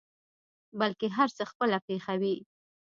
بلکې هر څه خپله پېښوي.